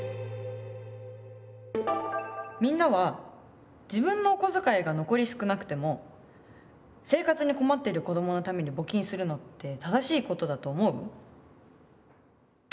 みんなは自分のお小遣いが残り少なくても生活に困ってる子どものために募金するのって「正しい」ことだと思う？